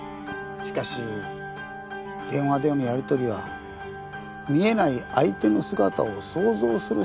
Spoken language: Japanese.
しかし電話でのやりとりは見えない相手の姿を想像するしかありません。